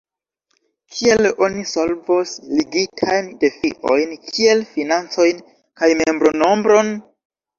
Kiel oni solvos ligitajn defiojn kiel financojn kaj membronombron?